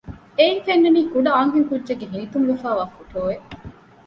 އެއިން ފެންނަނީ ކުޑަ އަންހެންކުއްޖެއްގެ ހިނިތުންވެފައިވާ ފޮޓޯއެއް